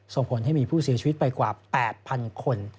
ส่งผลให้มีผู้เสียชีวิตไปกว่า๘๐๐๐คน